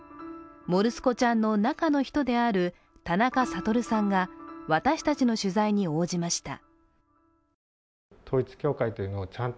もるすこちゃんの中の人である田中悟さんが私たちの取材に応じました。